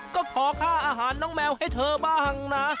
ก็ขอค่าอาหารน้องแมวให้เธอบ้างนะ